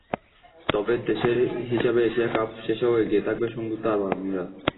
তবে দেশের হিসাবে এশিয়া কাপ শেষেও এগিয়ে থাকবে সংযুক্ত আরব আমিরাত।